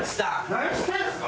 何してんすか！